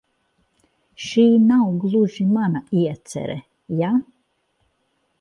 Šī nav gluži mana iecere, ja?